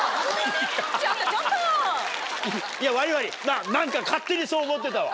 悪い悪い何か勝手にそう思ってたわ。